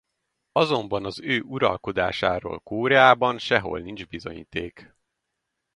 Azonban az ő uralkodásáról Koreában sehol nincs bizonyíték.